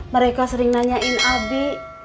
mereka sering nanyain abi